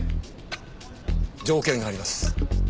条件があります。